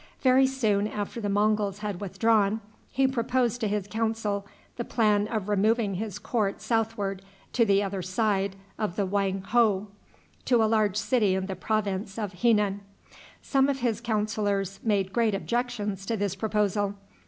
Very soon after the Monguls had withdrawn, he proposed to his council the plan of removing his court southward to the other side of the Hoang Ho, to a large city in the province of Henan. Some of his counselors made great objections to this proposal.